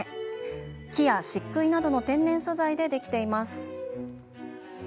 木や、しっくいなどの天然素材で、できています。